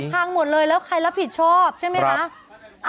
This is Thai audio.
พังหมดเลยแล้วใครรับผิดชอบใช่ไหมคะ